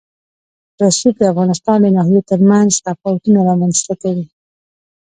رسوب د افغانستان د ناحیو ترمنځ تفاوتونه رامنځ ته کوي.